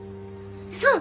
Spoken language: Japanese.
そう！